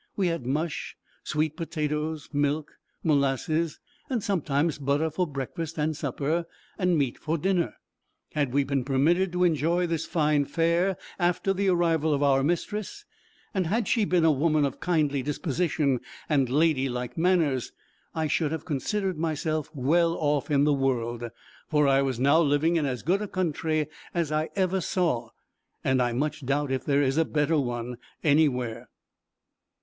We had mush, sweet potatoes, milk, molasses, and sometimes butter for breakfast and supper, and meat for dinner. Had we been permitted to enjoy this fine fare after the arrival of our mistress, and had she been a woman of kindly disposition and lady like manners, I should have considered myself well off in the world; for I was now living in as good a country as I ever saw, and I much doubt if there is a better one any where.